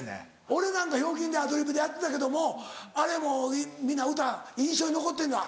俺なんか『ひょうきん』でアドリブでやってたけどもあれも皆歌印象に残ってるんだ？